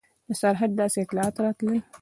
د سرحده داسې اطلاعات راتلل.